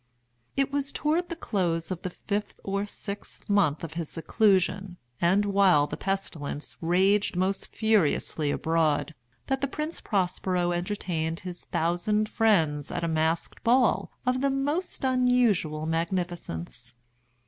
It was toward the close of the fifth or sixth month of his seclusion, and while the pestilence raged most furiously abroad, that the Prince Prospero entertained his thousand friends at a masked ball of the most unusual magnificence.